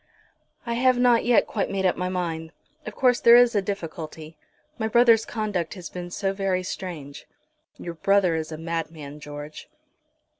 "I have not yet quite made up my mind. Of course there is a difficulty. My brother's conduct has been so very strange." "Your brother is a madman, George."